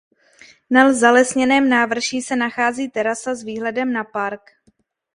Na zalesněném návrší se nachází terasa s výhledem na park.